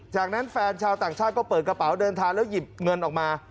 จากนั้นแฟนชาวต่างชาติก็เปิดกระเป๋าเดินทางแล้วหยิบเงินออกมา